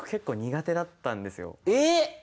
えっ！